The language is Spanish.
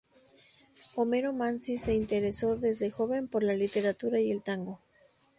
Homero Manzi se interesó desde joven por la literatura y el tango.